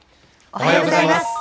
おはようございます。